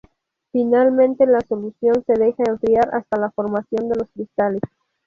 Finalmente la solución se deja enfriar hasta la formación de los cristales.